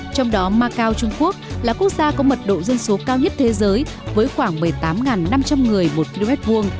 trong đó macau trung quốc là quốc gia có mật độ dân số cao nhất thế giới với khoảng một mươi tám năm trăm linh người một km hai